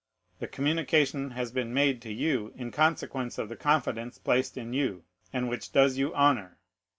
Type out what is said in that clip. The communication has been made to you in consequence of the confidence placed in you, and which does you honor.